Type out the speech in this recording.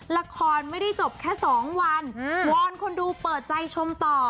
ละครไม่ได้จบแค่๒วันวอนคนดูเปิดใจชมต่อ